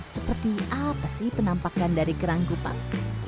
seperti apa sih penampakan dari kerang kupang